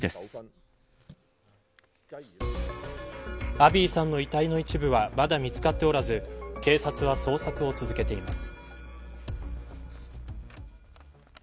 アビーさんの遺体の一部はまだ見つかっておらず警察は捜索を続けています。